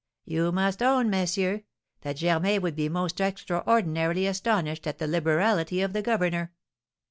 You must own, messieurs, that Germain would be most extraordinarily astonished at the liberality of the governor."